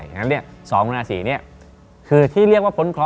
ฉะนั้นสองคนนาศีนี่คือที่เรียกว่าพ้นคล้อ